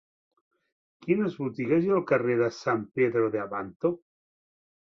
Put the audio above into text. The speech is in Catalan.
Quines botigues hi ha al carrer de San Pedro de Abanto?